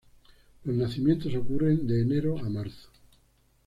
Los nacimientos ocurren de enero a marzo.